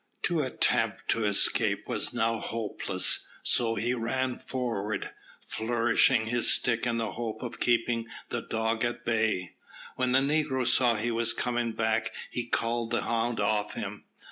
To attempt to escape was now hopeless, so he ran forward, flourishing his stick in the hope of keeping the dog at bay. When the negro saw he was coming back he called the hound off him.